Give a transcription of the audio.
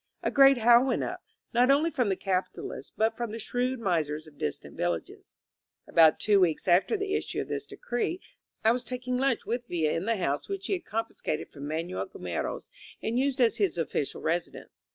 A great howl went up, not only from the capitalists, but from the shrewd misers of distant villages. About two weeks after the issue of this decree, I was taking lunch with Villa in the house which he had con fiscated from Manuel Gomeros and used as his official residence.